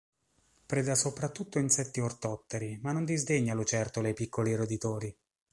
Preda soprattutto insetti ortotteri, ma non disdegna lucertole e piccoli roditori.